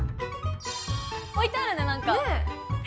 置いてあるねなんか。ね。